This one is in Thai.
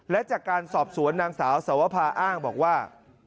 และจากการสอบสวนนางสาวสาวพาว่า